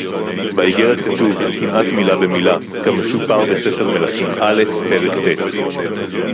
בָאִגֶּרֶת כָּתוּב, כִּמְעַט מִלָּה בְּמִלָּה, כַּמְסֻפָּר בְּסֵפֶר מְלָכִים א‘, פֶּרֶק ט’